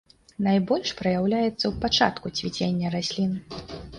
Найбольш праяўляецца ў пачатку цвіцення раслін.